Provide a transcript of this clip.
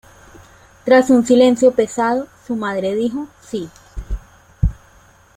Tras un silencio pesado, su madre dijo: “Sí.